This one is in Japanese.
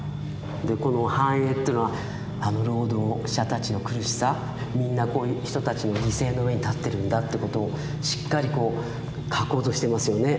でこの繁栄っていうのは労働者たちの苦しさみんなこういう人たちの犠牲の上に立ってるんだってことをしっかりこう描こうとしてますよね。